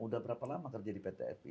udah berapa lama kerja di pt fi